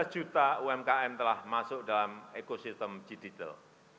dua belas juta umkm telah masuk dalam ekosistem digital